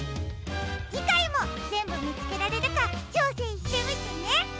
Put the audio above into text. じかいもぜんぶみつけられるかちょうせんしてみてね！